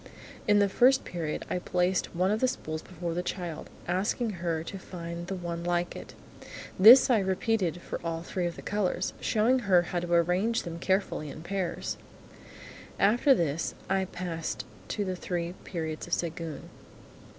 In the First Period, I placed one of the spools before the child, asking her to find the one like it. This I repeated for all three of the colours, showing her how to arrange them carefully in pairs. After this I passed to the Three Periods of Séguin.